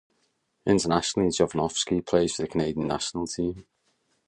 Internationally, Jovanovski plays for the Canadian national team.